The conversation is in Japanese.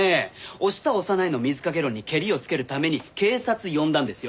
押した押さないの水掛け論にケリをつけるために警察呼んだんですよ。